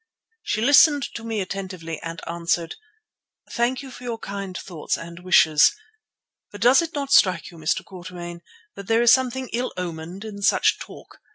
She listened to me attentively and answered: "Thank you for your kind thoughts and wishes. But does it not strike you, Mr. Quatermain, that there is something ill omened in such talk?